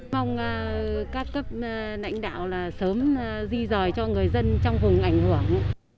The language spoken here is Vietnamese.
mong các cấp nạnh đạo là sớm di rời cho người dân trong vùng ảnh hưởng